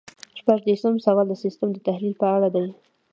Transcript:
شپږ دېرشم سوال د سیسټم د تحلیل په اړه دی.